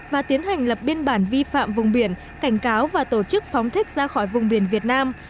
và tiến hành lập biên bản vi phạm vùng biển cảnh cáo và tổ chức phóng thích ra khỏi vùng biển việt nam